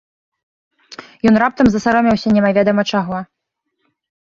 Ён раптам засаромеўся немаведама чаго.